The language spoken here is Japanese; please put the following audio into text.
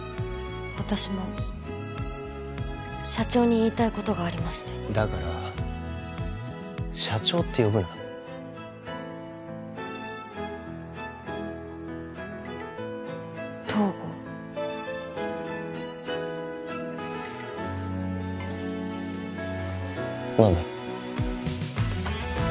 私も社長に言いたいことがありましてだから社長って呼ぶな東郷何だ？